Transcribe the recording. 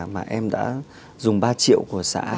mà em đã dùng ba triệu của xã